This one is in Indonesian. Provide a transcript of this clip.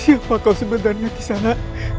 siapa kau sebenarnya disana